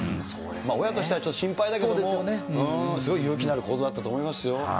親としてはちょっと心配だけすごい勇気のある行動だったと思いますよ。